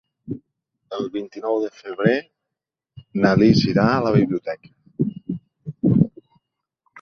El vint-i-nou de febrer na Lis irà a la biblioteca.